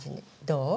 どう？